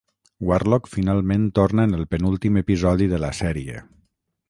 Warlock finalment torna en el penúltim episodi de la sèrie.